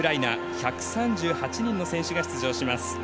１３８人の選手が出場します。